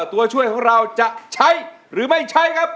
ตัวช่วยของเราจะใช้หรือไม่ใช้ครับ